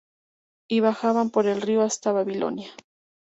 Y bajaban por el río hasta Babilonia.